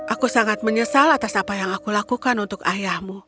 aku sangat menyesal atas apa yang aku lakukan untuk ayahmu